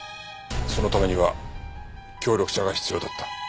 そのためには協力者が必要だった。